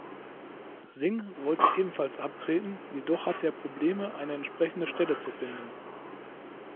Singh wollte ebenfalls abtreten, jedoch hatte er Probleme, eine entsprechende Stelle zu finden.